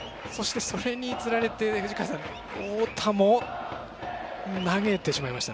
そして、それにつられて太田も投げてしまいました。